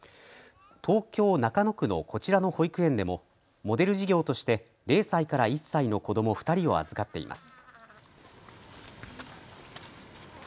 東京中野区のこちらの保育園でもモデル事業として０歳から１歳の子ども２人を預かっています。